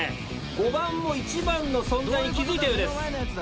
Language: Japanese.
５番も１番の存在に気付いたようです。